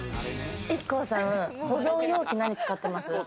ＩＫＫＯさん、保存容器、何使ってます？